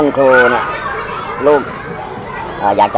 น้องน้องได้อยู่ทั้งส่วน